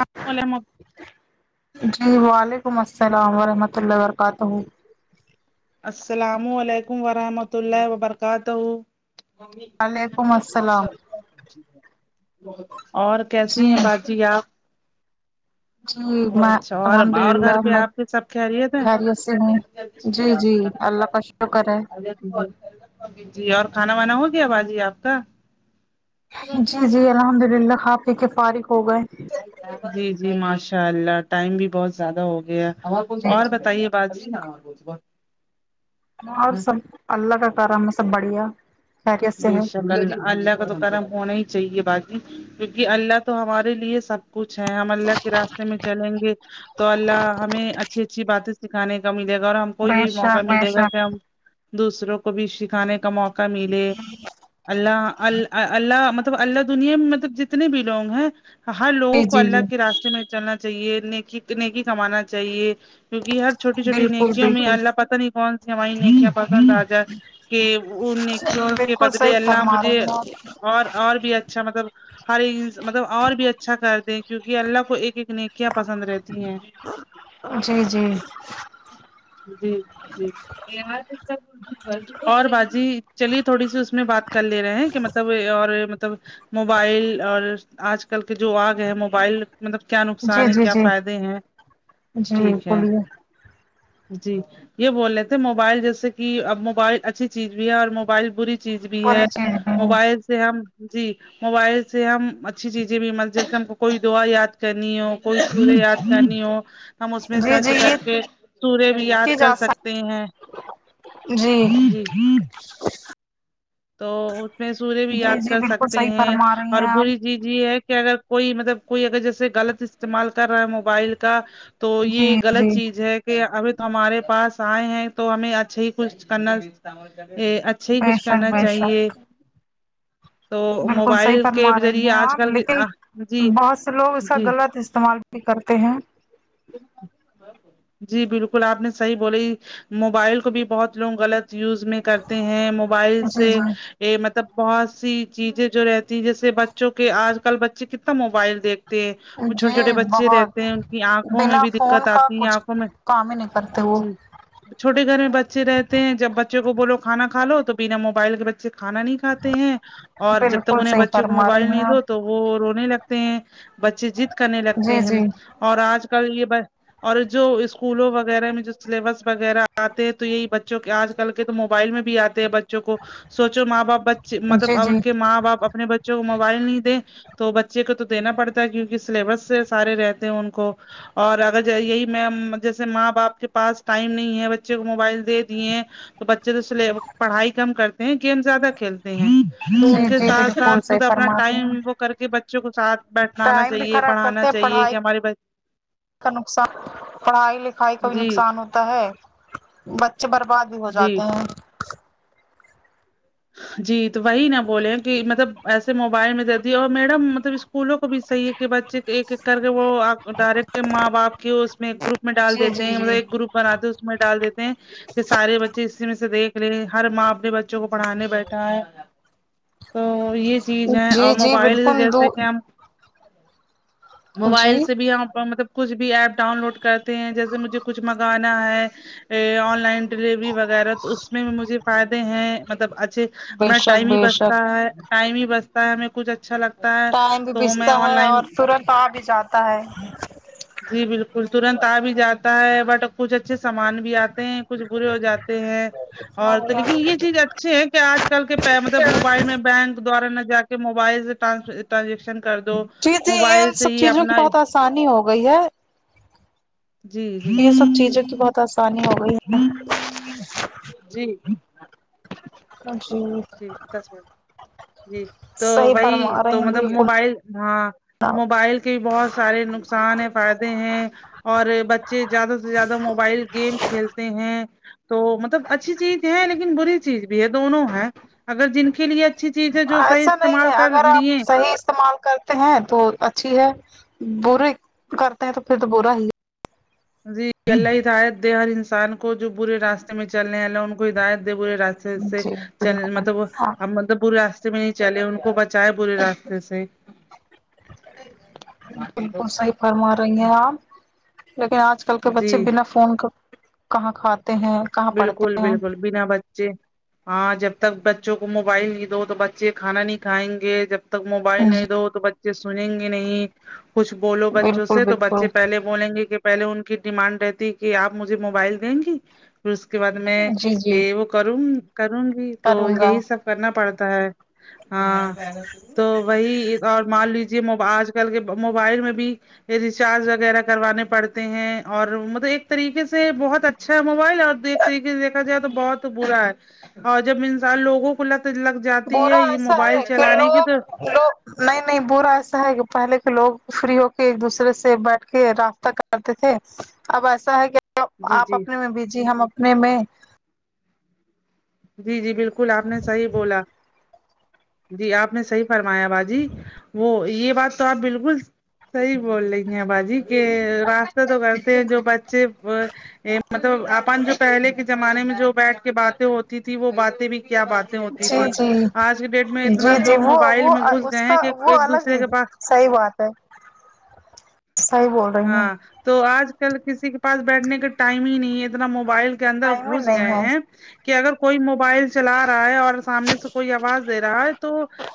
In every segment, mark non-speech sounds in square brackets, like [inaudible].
آپ بول م جی وعلیکم السلام ورحمۃ اللہ ورکاتہ السلام علیکم ورحمۃ اللہ وبرکاتہ وعلیکم السلام اور کیسی ہیں ب جی آپ جی میں اچھا اور الحمد اور للہ گھر پہ میں آپ کے سب خیریت خریت سے ہوں ہے جی جی اللہ کا شکر ہے ا [unintelligible] ی اور کھانا وانا ہو گیا باجی آپ کا جی جی الحمد للہ آپ ہی کے فارغ ہو گئے جی جی ماشاء اللہ ٹائم بھی بہت زیادہ ہو گیا جی اور جی بتائیے بجی ن بول ب اور سب اللہ کا کارا میں سب بڑھیا خیریت سے ہے بیےشا اللہ اللہ کا تو گرم ہونا ہی چاہیے باقی کیونکہ اللہ تو ہمارے لیے سب کچھ ہے ہم اللہ کے راستے میں چلیں گے تو اللہ ہمیں اچھی اچھی باتیں سکھانے کا ملے گا اور ہم کو بے یہی موقع شک بے ملے گا کہ شک ہم دوسروں کو بھی سکھانے کا موقع ملے جی [unintelligible] اللہ ال اللہ مطلب اللہ دنیا میں مطلب جتنے بھی لوگ ہیں ہر لوگوں جی کو جی اللہ جی کے راستے میں چلنا چاہیے نیکی نیکی کمانا چاہیے کیونکہ ہر چھوٹی چھوٹی بالکل نیکیوں میں بالکل اللہ پتا نہیں کون ن پسند آ جا کہ ان نوں کے بالکل بدلے صحیح اللہ فرما مجھے رہے ہیں اور اور بھی اچھا مطلب ہر مطلب اور بھی اچھا کر د کیونکہ اللہ کو ایک ایک نےیکیاں پسند رہتی ہیں جی جی جی جی اور باجی چلیے تھوڑی سی اس میں بات کر لے رہے ہیں کہ مطلب اور تب موبائل اور آج کل کے جو آگ ہیں موبائل مطلب کیا جی نقصان ہے جی کیا جی فائدے ہیں جی ٹھیک ہے بولیے جی یہ بول رہے تھے موبائل جیسے کہ اب موبائل اچھی چیز بھی ہے اور موبائل بری چیز بھی ہے پوری چیز بھی ہے موبائل سے ہم جی موبائل سے ہم اچھی چیزیں بھی متج ہم کو کوئی دعا یاد کرنی ہو کوئی مجھے یاد کرنی ہو ہم اس میں جی سرچ جی کر یہ کے سوریہ بھی یاد کی کر جا سک سکتے ہیں جی تو اس میں سوریہ بھی جی یاد جی کر بالکل سکتے صحیح ہیں فرما رہی اور ہیں بری آپ چیز یہی ہے کہ اگر کوئی مطلب کوئی اگر جیسے غلط استعمال کر رہا ہے موبائل کا تو جی یہ جی غلط چیز ہے کہ ابھی ہمارے پاس آئے ہیں تو ہمیں اچھے ہی کچھ کرنا ا اچھا ہی کچھ کرنا چاہیے ہ تو [unintelligible] بالکل صحیح موبائل کے فرما رہی ذریعے ہیں آج آپ کل کے لیکن آ- جی بہت سے لوگ اس کا جی غلط استعمال کرتے ہیں جی بالکل آپ نے صحی بولی موبائل کو بھی بہت لوگ غلط یوز میں کرتے ہیں موبائل جی سے جی یہ مطلب بہت سی چیزیں جو رہتی ہیں جیسے بچوں کے آج کل بچے کتنا موبائل دیکھ وہ چھوٹے جی چھوٹے بچے رہتے ہیں بہت ان کی آنکھوں میں بنا بھی فون دقت کا آتی ہے کچھ آنکھوں میں کام ہی نہیں کرتے وہ چھوے گھر میں بچے رہتے ہیں جب بچوں کو بولو کانا کھاو تو بنا موبائل کے بچے ب کھانا نہیں کھاتے ہیں اور جب تک بالکل انہیں صحیح بچوں کو فرما موبائل رہی نہیں ہیں دو آپ تو وہ رونے لگتے ہیں بچے جید کرنے لگتے جی ہیں جی اور آج کل یہ ب اور جو اسکولوں وغیرہ میں جو سلیبس وغیرہ آتے ہیں تو یہی بچوں کے آج کر کے تو موبائل میں بھی آتے ہیں بچوں کو سوچو ماں باپ بچے مطلب جی ان جی کے ماں باپ اپنے بچے موبائل نہیں دیں تو بچے کو تو دینا پڑتا ہے کیونکہ سلیبس سے سارے رہتے ہیں ان کو اور اگر یہی میں جیسے ماں باپ کے پاس ٹائم نہیں ہے بچے کو موبائل دے دی ہیں تو بچے تو اس لیے پڑھائی کم کرتے ہیں گیم زیادہ کھیلتے ہیں ان جی کے جی ساتھ بالکل ساتھ صحیح مطلب اپنا فرما رہی ہیں ٹائم وہ کر کے بچوں کو ساتھ بیٹھنا آا ٹائم بھی چاہیے خراب کرتے پڑھانا ہیں چاہیے کہ پڑھائی ہماری بائی کا نصان پڑھائی لکھائی کا بھی جی نقصان ہوتا ہے بچے برباد بھی ہو جی جاتے ہیں جی تو وہی نہا بولے کہ مطلب ایسے موبائل میں د دی اور میڈم مطلب اس اسکولوں کو بھی صحیح کہ بچے ایک ایک کر کے وہ ڈائریکٹ ماں باپ کے اس میں گروپ میں ڈال جی دیتے جی ہیں مطلب جی ایک گروپ بناتے اس میں ڈال دیتے ہیں کہ سارے بچے اسی میں سے دیکھ لے ہر ماں اپنے بچوں کو پڑھانے بیٹھا ہے تو یہ چیز ہے جی اور جی موبائل سے بالکل دو جیسے کہ ہم موبائل جی سے بھی یہ پر مطلب کچھ بھی ایپ ڈاؤن لوڈ کرتے ہیں جیسے مجھے کچھ منگانا ہے آن لائن ڈیلیوری وغیرہ تو اس میں مجھے فائدے ہیں مطلب اچھے بے ہمارا شک ٹائم ہی بے بچتا شک ہے ٹائم ہی بچتا ہے ہمیں کچھ اچھا لگتا ہوتا ٹائم بھی تو میں بیچتا آن ہے لائن اور گ ترنت آ بھی جاتا ہے جی بالکل ترنت آ بھی جاتا ہے بٹ کچھ اچھے سامان بھی آتے ہیں کچھ برے ہو جاتے ہیں اور تو لیکن یہ چیز اچھے ہیں کہ آج کل کے مطلب موبائل میں بینک دوارا نہ جا کے موبائل سے رانزیکشن کر دو جی جی موبائل ان سے سب ہی چیزوں اپنا کی بہت آسانی ہو گئی ہے جی ج یہ سب چیزوں کی بہت آسانی ہو گئی ہے جی جی جی دس م جی تو صحیح وہی فرما رہے تو ہیں مطلب بالکل موبائل ہاں موبائل کے بھی بہت سارے نقصان ہیں فائدے ہیں اور ب ج زیادہ سے زیادہ موبائل گیم کھیلتے ہیں تو مطلب اچھی چیز ہے لیکن بری چیز بھی ہے دونوں ہیں اگر جن کے لیے صحیح ایسا نہیں استعمال ہے کر اگر آپ لیے صحیح استعمال کر ہیں تو اچھی ہے برے کرتے ہیں تو پھر تو برا ہی جی اللہ ہدایت دے ہر انسان کو جو برے راستے میں چلنے ہیں اللہ ان کو ہدایت دے برے راستے سے جی چ بالکل مطلب ہاں ہم ملب برے راستے میں نہیں چلے ان کو بچائے برے راستے سے بالکل صحی فرما رہی ہیں آپ لیکن آج کل آ کل کے بچے جی بنا فون کہاں کھاتے ہیں کہاں بالکل پڑھتے ہیں بالکل بنا بچے ہاں جب تک بچوں کو موبائل ہی دو تو بچے کھانا نہیں کھائیں گے جب تک موبائل نہیں دو تو بچے سنیں گے نہیں کچھ بولو بچوں بالکل سے تو بالکل بچے پہلے بولیں گے کہ پہلے ان کی ڈیمانڈ رہتی کہ آپ مجھے موبائل دیں گی پھر اس کے بعد میں جی جی یہ وہ کروں کروں گی تو کروں گا یہی سب کرنا پڑتا ہے ہاں تو وہی اور مان لیجے م آج کل کے موبائل میں بھی ریچارج وغیرہ کروانے پڑتے ہیں اور مطلب ایک طریقے سے بہت اچھا موبائل اور ایک طریقے سے دیکھا جائے تو بہت برا ہے اور جب انسان لوگوں کوگ لگتا برا ایسا ہے کہ لوگ لوگ نہیں نہیں برا ایسا ہے کہ پہلے کے لوگ فری ہو کے ایک دوسرے سے بیٹھ کے راابہ کرتے تھے اب ایسا ہے کہ جی آپ جی اپنے میں بھیجی ہم اپنے میں جی جی بالکل آپ نے صحیح بولا جی آپ نے صحیح فرمایا بھجی وہ یہ بات تو آپ بالکل صحی بول رہی ہیں باجی کہ راسہ تو کرتے ہیں جو بچے مطلب اپن جو پہلے کے زمانے میں جو بیٹھ کے باتیں ہوتی تھی وہ باتیں بھی کیا بات ہوتی جی تھی جی آج کے ڈیٹ میں اتنا جی جی لوگ وہ موبائل میں گھس گئے کہ ایک دوسرے کے پاس صحی بات ہے صائی بول رہی ہیں ہاں تو آج کل کسی کے پاس بیٹھنے کا ٹائم ہی نہیں ہے اتنا موبائل کے اندر ٹائم ہی گھس گئے نہیں ہیں ہے کہ اگر کوئی موبائل چلا رہا ہے اور سامنے سے کوئی آواز دے رہا ہے تو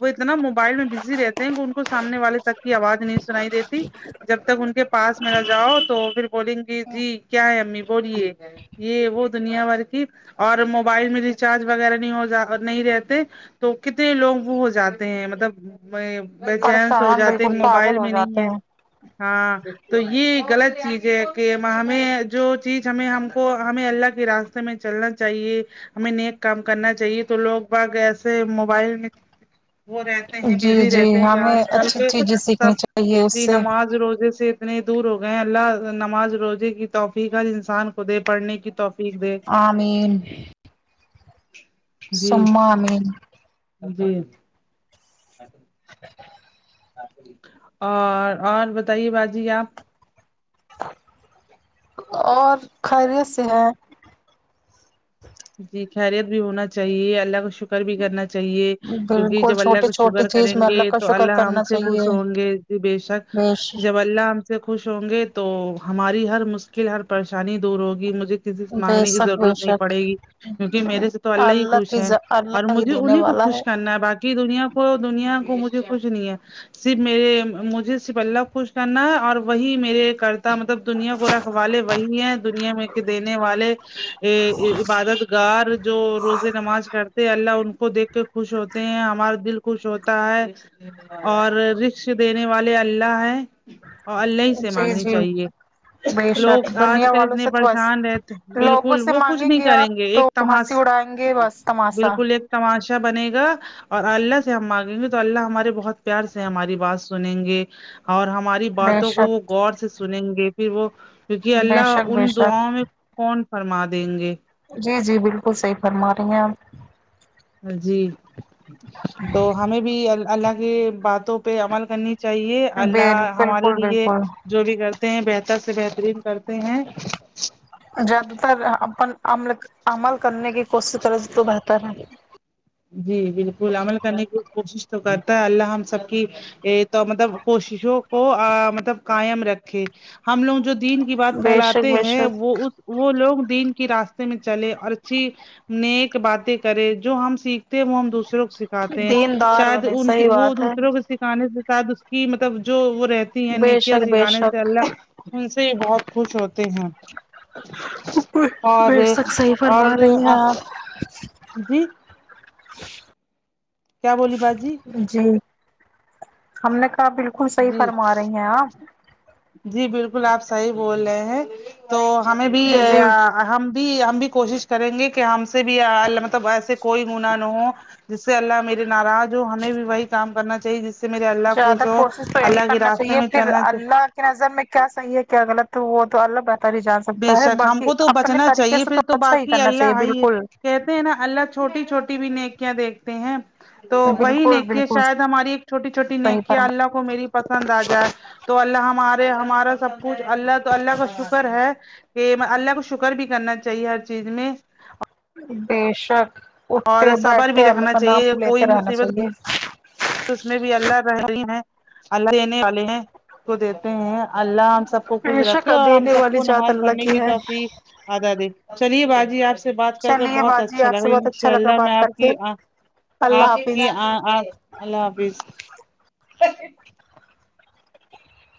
وہ اتنا موبائل میں بزی رہتے ہیں کہ ان کو سامنے والے تک کی آواز نہیں سنائی دیتی جب تک ان کے پاس م نہ جاؤ تو پھر بولیں گے جی کیا ہے امی بولیے یہ وہ دنیا بھر کی اور موبائل میں ریچارج وغیرہ نہیں ہو جا نہیں رہتے تو کتنے لوگ وہ ہو جاتے ہیں مطلب ب چانس ہو پریشان جاتے بالکل کہ پاگل موبائل ہو میں نہیں جاتے ہے ہیں ہاں تو یہ غلط چیز ہے کہ ہمیں جو چیز ہمیں ہم کو ہمیں اللہ کی راس میں چلنا چاہیے ہمیں نیک کام کرنا چاہیے تو لوگ باگ ایسے موبائل میں وہ رہتے ہیں جی بزی جی رہتے ہیں کہ ہمیں آج کل اچھی کے چیزیں سیکھنی چاہیے اس سبی سے نماز روزے سے اتنے دور ہو گئے اللہ نماز روزے کی توفیقات انسان کو دے پڑھنے کی توفیق پھ د آمین جی سما آمین جی [inaudible] اور اور بتائیے باجی آپ اور خیریت سے ہیں جی خیریت بھی ہونا چاہیے اللہ کا شکر شکر بھی کرنا چاہیے کیونکہ بالکل جب اللہ چھوٹی کا چھوٹی شکر کریں چیز میں گے اللہ کا تو شکر اللہ ہم کرنا سے خوش چاہیے ہوں گے بے شک بیش و اللہ سے خوش ہوں گے تو ہماری ہر مشکل ہر پریشانی دور ہوگی مجھے کز بے مانگنے کی شک بے ضرورت نہیں شک پڑے گی کیونکہ میرے سے تو اللہ ہی خوش کی ہے اور اللہ ہی مجھے دینے انہیں کو والا خوش ہے کرنا باقی کہ دنیا کو دنیا کو مجھے کچھ نہیں ہے صرف میرے مجھے صرف اللہ خوش کرنا ہے اور وہی میرے کرتے مطلب دنیا کو رکھ والے وہی ہے دنیا میں دینے والے ا عبادت گاہ جو روزے نماز کرتے اللہ ان کو دیکھ کے خوش ہوتے ہیں ہمارا دل خوش ہوتا ہے اور رکش دینے والے اللہ ہے اور اللہی سے جی مانگنی جی چاہیے بے لوگ شک آج دنیا کل والوں اتنے سے تو بس پریشان رہتے لوگوں بالکل سے وہ کچھ مانگیں نہیں کریں آپ گے تو ایک ہنسی تماش اڑائیں گے بس تماشا بالکل ایک تماشا بنے گا اور اللہ سے ہم مانگیں گے تو اللہ ہمارے بہت پیار سے ہماری بات سنیں گے اور ہماری بے باتوں کو وہ شک غور سے سنیں گے پھر وہ کیونکہ بے اللہ شک بے ان شک دعاؤ میں کون فرما دیں گے جی جی بالکل صحیح فرما رہی ہیں آپ جی تو ہمیں بھی ال اللہ کے باتوں پہ عمل کرنی چاہیے اللہ ہمارے بالکل لیے بالکل جو بھی کرتے ہیں بہتر سے بہترین کرتے ہیں زیادہ تر اپنمل عمل کرنے کی کوشش کرے تو بہتر ہے جی بالکل عمل کرنے کی کوشش تو کرتا ہے اللہ ہم سب کی ا تو مطلب کوششوں کو مطلب قائم رکھے ہم لوگ جو دین کی بات بے شک پھیلاتے بے ہیں شک وہ اس وہ لوگ دن کی راستے میں چلے اور اچھی نیک باتیں کرے جو ہم سیکھتے ہیں وہ ہم دوسروں کو سکھاتے ہیں دیندار شاید بنے ان کی صحیح وہ بات ہے دوسروں کو سکھانے سے س کہ مطلب جو وہ رہتی ہیں بے نیکیاں شک بے سکھانے سے شک اللہ ان سے ہی بہت خوش ہوتے ہیں اور [unintelligible] سک صحیح اور فرما رہی ہیں آپ جی کیا بولی باجی جی ہم نے کہا بالکل صحیح جی فرما رہی ہیں آپ جی بالکل آپ صیح بول رہے ہیں تو ہمیں بھی جی جی ہم بھی ہم بھی کوشش کریں گے کہ ہم سے بھی مطلب ایسے کوئی گنااہ نہ ہو جس سے اللہ میرے ناراض ہو ہمیں بھی وہی کام کرنا چاہیے جس سے میرے اللہ زیادہ خوش ہو تو کوشش یہی اللہ کے کرنا راستے چاہیے میں پھر چلنا چاہیے اللہ کے نظر میں کیا صحیح ہے کیا غط وہ تو اللہ بت رہ جان بے سکتا ہے شک ہم باقی کو تو اپنے بچنا طریقے چاہیے سے تو پھر اچھا ہی باقی کرنا چاہیے اللہ ہی ہے بالکل کہتے ہیں نا اللہ چھوٹی چھوٹی بھی نیکیاں دیکھتے ہیں تو وہی بالکل نیکییا بالکل شاید ہماری ایک چھوٹی چھوٹی صحیح نیکی فرما اللہ کو میری پسند آ جائے تو اللہ ہمارے ہمارا سب کچھ اللہ تو اللہ کا شکر ہے کہ اللہ کو شکر بھی کرنا چاہیے ہر چیز میں بے شک اٹھتے اور صبر بیٹھتے بھی اللہ رکھنا کا نام چاہیے لیتے رہنا چاہیے تو اس میں بھی اللہ رہی ہیں اللہ دینے والے کو دیتے ہیں اللہ سب کو خوش بے شک رکھے اور ہم دینے سب والی کو ذات نماز اللہ پڑھنے کی ہے توفی آدا دے چلیے باجی آپ سے سے بات کر کر چلیے بہت باجی اچھا آپ لگا سے بہت ان اچھا شاء لگا اللہ میں بات آپ کر کے کی اللہ آپ حافظ کی اللہ حافظ